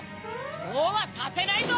そうはさせないぞ！